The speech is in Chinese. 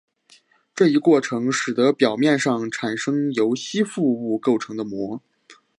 这一过程使得表面上产生由吸附物构成的膜。